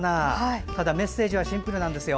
ただメッセージはシンプルなんですよ。